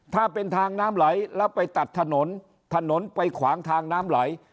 ถ้าเป็นทางน้ำไหลแล้วไปตัดถนนถนนไปขวางทางน้ำไหล